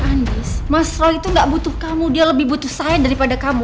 anies mas roy itu gak butuh kamu dia lebih butuh saya daripada kamu